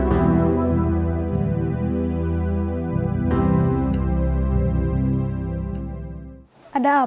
kota ndara jawa tenggara